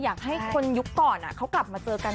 เราแอบพินใจอยากให้คนยุคก่อนอะเขากลับมาเจอกัน